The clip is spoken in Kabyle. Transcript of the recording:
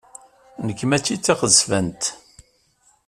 Nekk mačči d taɣezzfant.